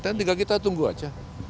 dan tinggal kita tunggu saja